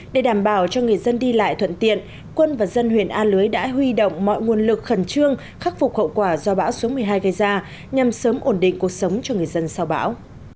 để đảm bảo cho người dân đi lại thuận tiện quân và dân huyện a lưới đã huy động mọi nguồn lực khẩn trương khắc phục hậu quả do bão số một mươi hai gây ra nhằm sớm ổn định cuộc sống cho người dân sau bão